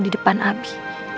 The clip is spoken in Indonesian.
di depan abi